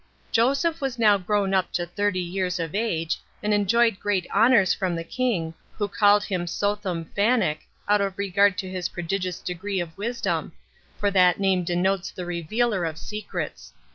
1. Joseph was now grown up to thirty years of age, and enjoyed great honors from the king, who called him Psothom Phanech, out of regard to his prodigious degree of wisdom; for that name denotes the revealer of secrets.